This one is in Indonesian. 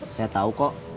saya tau kok